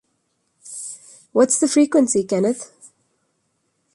What's the Frequency, Kenneth?